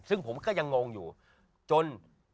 ซึ่งผมก็ยังงงอยู่จน